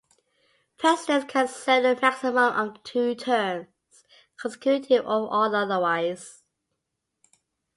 Presidents can serve a maximum of two terms, consecutive or otherwise.